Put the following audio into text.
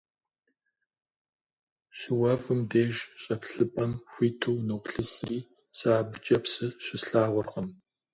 ЩыуэфӀым деж щӀэплъыпӀэм хуиту уноплъысри, сэ абыкӀэ псы щыслъагъуркъым.